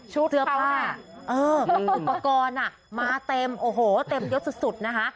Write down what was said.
เสื้อผ้ามีอุปกรณ์มาเต็มโอ้โหเต็มยดสุดนะคะ